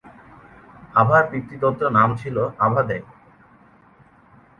আভার পিতৃদত্ত নাম ছিল আভা দে।